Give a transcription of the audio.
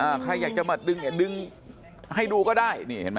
ใครอยากจะมาดึงเนี่ยดึงให้ดูก็ได้นี่เห็นไหม